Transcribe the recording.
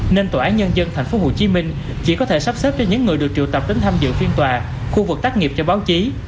nên tòa án nhân dân tp hcm chỉ có thể sắp xếp cho những người được triệu tập đến tham dự phiên tòa khu vực tác nghiệp cho báo chí